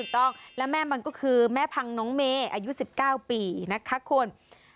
ต้องและแม่มันก็คือแม่พังน้องเมย์อายุ๑๙ปีนะคะคุณ